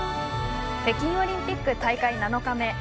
北京オリンピック大会７日目。